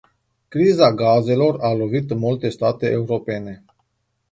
Criza gazelor a lovit multe state europene.